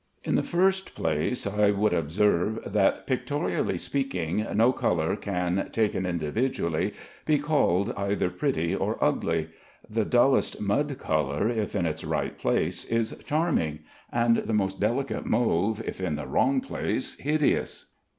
In the first place, I would observe that, pictorially speaking, no color can, taken individually, be called either pretty or ugly. The dullest mud color, if in its right place, is charming; and the most delicate mauve, if in the wrong place, hideous.